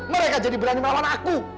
mereka jadi berani melawan aku